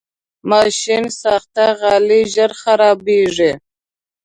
ماشینساخته غالۍ ژر خرابېږي.